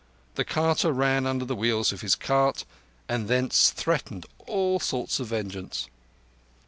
The carter ran under the wheels of his cart and thence threatened all sorts of vengeance.